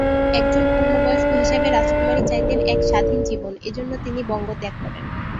একজন পূর্ণবয়স্ক হিসাবে রাজকুমারী চাইতেন এক স্বাধীন জীবন এজন্য তিনি বঙ্গ ত্যাগ করেন।